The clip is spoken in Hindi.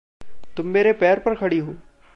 तुम मेरे पैर पर खड़ी हो।